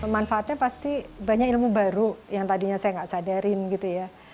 manfaatnya pasti banyak ilmu baru yang tadinya saya nggak sadarin gitu ya